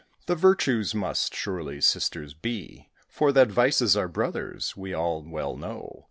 The Virtues must, surely, sisters be, For that Vices are brothers, we all well know.